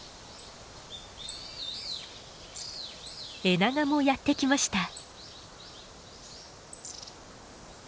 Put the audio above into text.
エナガもやって来ました。